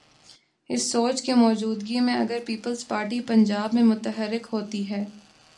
اس سوچ کی موجودگی میں، اگر پیپلز پارٹی پنجاب میں متحرک ہوتی ہے۔